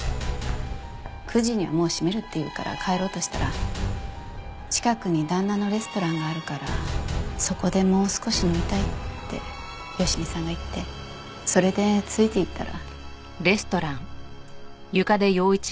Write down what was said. ９時にはもう閉めるっていうから帰ろうとしたら「近くに旦那のレストランがあるからそこでもう少し飲みたい」って佳美さんが言ってそれでついて行ったら。